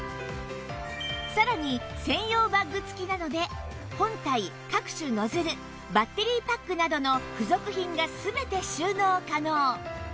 さらに専用バッグ付きなので本体各種ノズルバッテリーパックなどの付属品が全て収納可能